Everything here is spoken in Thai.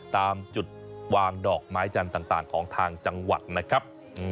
ตามจุดวางดอกไม้จันทร์ต่างของทางจังหวัดนะครับ